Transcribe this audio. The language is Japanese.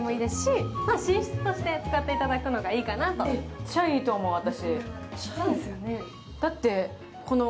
めっちゃいいと思う、私。